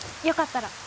よかったら。